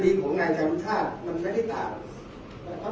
คดีของนายธรรมชาติมันไม่ได้ต่าง